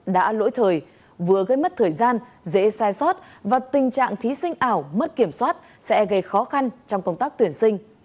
đã lỗi thời vừa gây mất thời gian dễ sai sót và tình trạng thí sinh ảo mất kiểm soát sẽ gây khó khăn trong công tác tuyển sinh